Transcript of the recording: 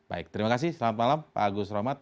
baik terima kasih selamat malam pak agus romat